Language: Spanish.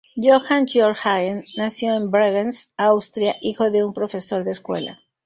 Johann Georg Hagen nació en Bregenz, Austria, hijo de un profesor de escuela.